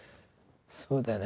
そうだね。